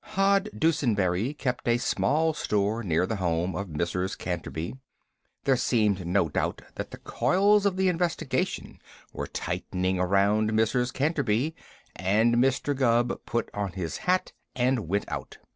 Hod Dusenberry kept a small store near the home of Mrs. Canterby. There seemed no doubt that the coils of the investigation were tightening around Mrs. Canterby, and Mr. Gubb put on his hat and went out.